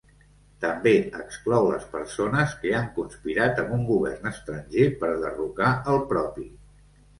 També exclou les persones que han conspirat amb un govern estranger per derrocar el propi.